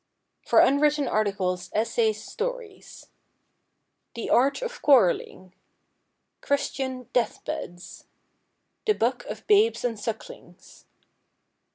For Unwritten Articles, Essays, Stories The Art of Quarrelling. Christian Death beds. The Book of Babes and Sucklings.